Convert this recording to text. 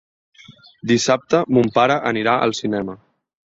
Dissabte mon pare anirà al cinema.